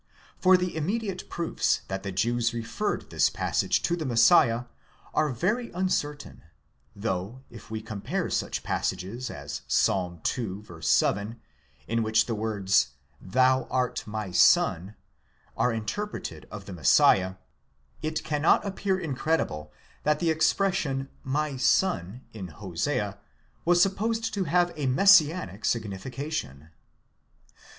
For the immediate proofs that the Jews referred this passage to the Messiah are very uncertain; 33 though, if we compare such passages as Ps. ii. 7, in which the words MAS 3. (thou art my son) are ,interpreted of the Messiah, it cannot appear incredible that the expression '33? (my son) in Hosea was supposed to have a messianic signifi cation.